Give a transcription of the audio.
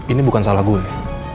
ini bukan salah gue